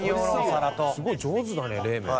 すごい上手だね冷麺。